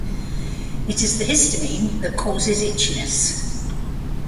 It is the histamine that causes itchiness.